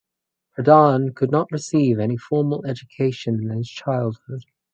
Pradhan could not receive any formal education in his childhood.